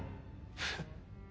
フッ。